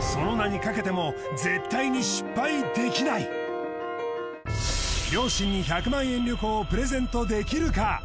その名にかけても両親に１００万円旅行をプレゼントできるか？